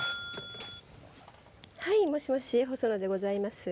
☎はいもしもし細野でございます。